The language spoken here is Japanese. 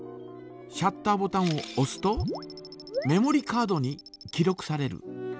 シャッターボタンをおすとメモリカードに記録される。